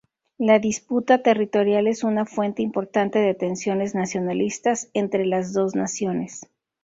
La disputa territorial es una fuente importante de tensiones nacionalistas entre las dos naciones.